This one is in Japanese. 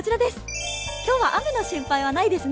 今日は雨の心配はないですね。